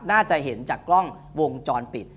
น่าจะเห็นจากกล้องวงจรปิด